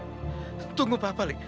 lia tunggu papa li